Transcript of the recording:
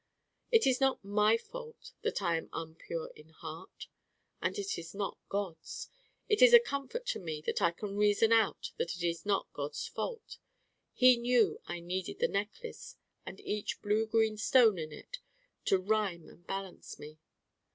It is not my fault that I am un pure in heart. And it is not God's. It is a comfort to me that I can reason out that it is not God's fault. He knew I needed the Necklace and each blue green stone in it to rhyme and balance me.